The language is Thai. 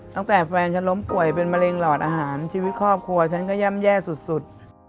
ตั้งแต่แฟนฉันล้มป่วยเป็นมะเร็งหลอดอาหารชีวิตครอบครัวฉันก็ย่ำแย่สุด